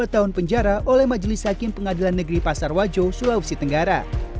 dua tahun penjara oleh majelis hakim pengadilan negeri pasar wajo sulawesi tenggara